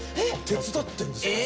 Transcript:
手伝ってるんですか？